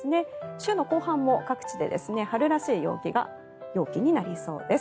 週の後半も各地で春らしい陽気になりそうです。